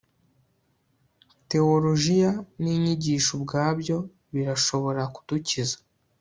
Tewolojiya ninyigisho ubwabyo birashobora kudukiza